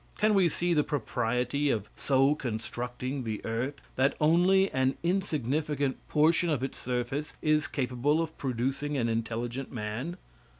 Can we see the propriety of so constructing the earth, that only an insignificant portion of its surface is capable of producing an intelligent man?